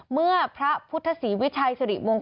เมื่อพระภุษศีวิชัยสุริมงคล